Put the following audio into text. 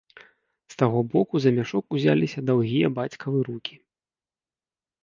З таго боку за мяшок узяліся даўгія бацькавы рукі.